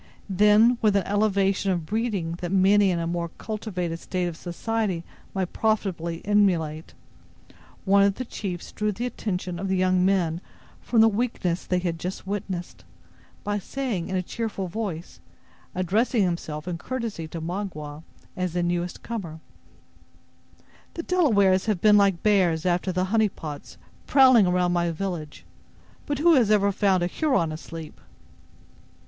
Then, with an elevation of breeding that many in a more cultivated state of society might profitably emulate, one of the chiefs drew the attention of the young men from the weakness they had just witnessed, by saying, in a cheerful voice, addressing himself in courtesy to Magua, as the newest comer: "The Delawares have been like bears after the honey pots, prowling around my village. But who has ever found a Huron asleep?"